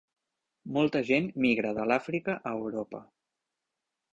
Molta gent migra de l'Àfrica a Europa.